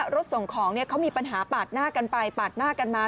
รถส่งของเขามีปัญหาปาดหน้ากันไปปาดหน้ากันมา